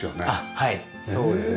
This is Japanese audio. はいそうですね